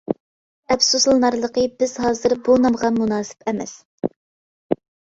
ئەپسۇسلىنارلىقى، بىز ھازىر بۇ نامغا مۇناسىپ ئەمەس!